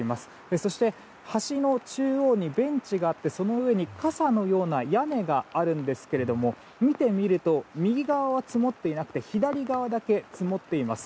そして、橋の中央にベンチがあって、その上に傘のような屋根がありますが見てみると、右側は積もっていなくて左側だけ積もっています。